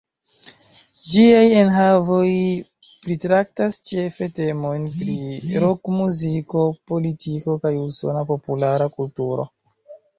Ĝiaj enhavoj pritraktas ĉefe temojn pri rokmuziko, politiko, kaj usona populara kulturo.